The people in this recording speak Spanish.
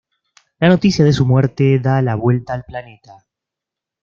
La noticia de su muerte da la vuelta al planeta.